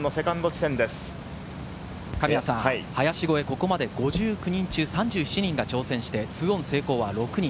林越え、ここまで５９人中３７人が挑戦して、２オン成功は６人。